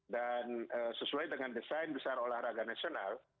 dan sesuai dengan desain besar olahraga nasional